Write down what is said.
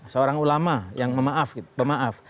seorang ulama yang memaaf gitu pemaaf